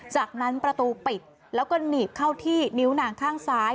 จากนั้นประตูปิดแล้วก็หนีบเข้าที่นิ้วหนังข้างซ้าย